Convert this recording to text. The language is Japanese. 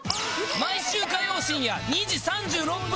毎週火曜深夜２時３６分に放送中